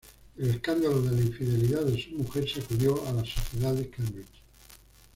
El escándalo de la infidelidad de su mujer sacudió a la sociedad de Cambridge.